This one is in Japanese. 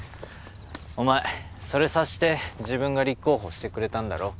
お前それ察して自分が立候補してくれたんだろ？